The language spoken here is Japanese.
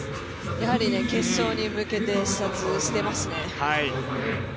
やはり決勝に向けて視察していますね。